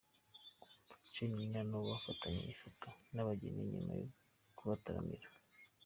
Charly&Nina nabo bafatanye ifoto n'abageni nyuma yo kubataramira.